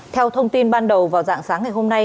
theo thông tin ban đầu vào dạng sáng ngày hôm nay